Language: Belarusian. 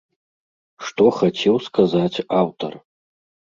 Што хацеў сказаць аўтар?